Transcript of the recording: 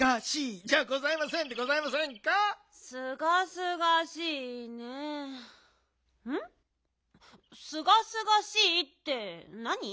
すがすがしいってなに？